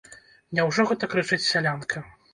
Няўжо гэта крычыць сялянка?